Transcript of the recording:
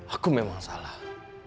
aku memang salah